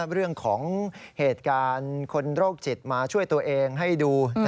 เรื่องของเหตุการณ์คนโรคจิตมาช่วยตัวเองให้ดู